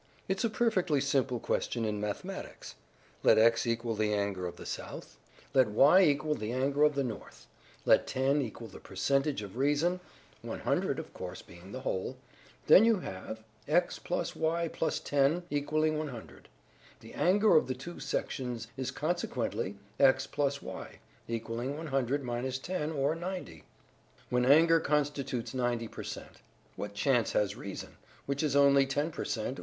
It's a perfectly simple question in mathematics. Let x equal the anger of the South, let y equal the anger of the North, let 10 equal the percentage of reason, 100, of course, being the whole, then you have x + y + 10 equalling 100. The anger of the two sections is consequently x + y, equalling 100 10, or 90. When anger constitutes 90 per cent., what chance has reason, which is only 10 per cent.